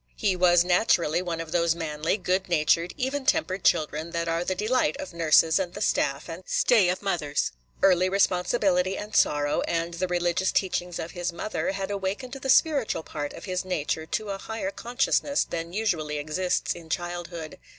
He was naturally one of those manly, good natured, even tempered children that are the delight of nurses and the staff and stay of mothers. Early responsibility and sorrow, and the religious teachings of his mother, had awakened the spiritual part of his nature to a higher consciousness than usually exists in childhood.